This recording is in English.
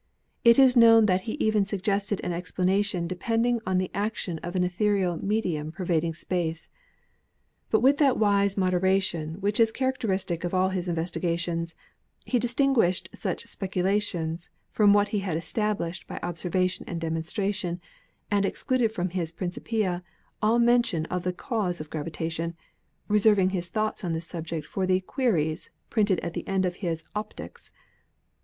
It is known that he even suggested an explanation de pending on the action of an ethereal medium pervading space. But with that wise moderation which is character istic of all his investigations, he distinguished such specu lations from what he had established by observation and demonstration and excluded from his 'Principia' all men tion of the cause of gravitation, reserving his thoughts on this subject for the 'Queries' printed at the end of his 'Opticks.'